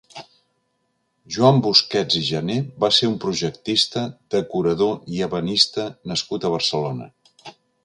Joan Busquets i Jané va ser un projectista, decorador i ebanista nascut a Barcelona.